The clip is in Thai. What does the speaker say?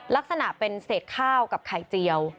ลักษณะเป็นเศษข้าวกับไข่เจียว